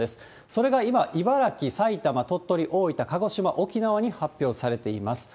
それが今、茨城、埼玉、鳥取、大分、鹿児島、沖縄に発表されています。